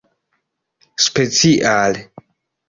speciale